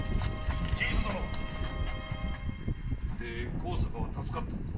江坂は助かったのか？